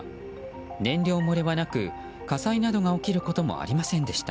燃料漏れはなく火災などが起きることもありませんでした。